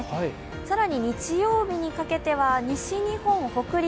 更に日曜日にかけては西日本、北陸